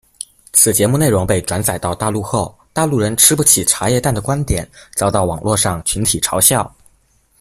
此节目内容被转载到大陆后，“大陆人吃不起茶叶蛋”的观点遭到网络上群体嘲笑。